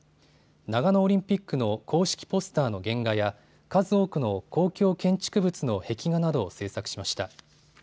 長野オリンピックの公式ポスターの原画や数多くの公共建築物の壁画などを制作しました。